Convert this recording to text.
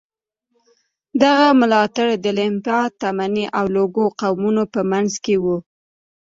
دغه ملاتړي د لیمبا، تمني او لوکو قومونو په منځ کې وو.